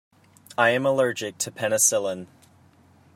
I am allergic to penicillin.